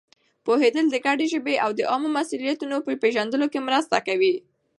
پوهېدل د ګډې ژبې او د عامو مسؤلیتونو په پېژندلو کې مرسته کوي.